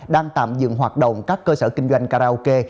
đang tạm dừng hoạt động các cơ sở kinh doanh karaoke